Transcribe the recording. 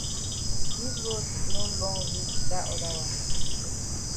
Dis road no long reach dat oda wan.